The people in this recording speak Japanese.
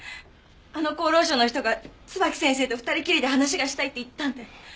あの厚労省の人が椿木先生と２人きりで話がしたいって言ったんで。